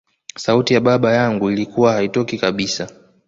sauti ya baba yangu ilikuwa haitokii kabisa